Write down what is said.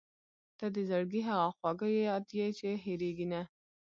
• ته د زړګي هغه خواږه یاد یې چې هېرېږي نه.